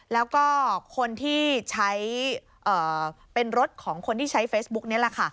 แล้วก็คนที่ใช้เป็นรถของคนที่ใช้เฟซบุ๊กนี่แหละค่ะ